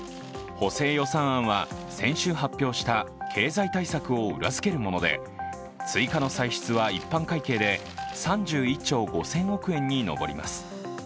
補正予算案は先週発表した経済対策を裏付けるもので、追加の歳出は一般会計で３１兆５０００億円に上ります。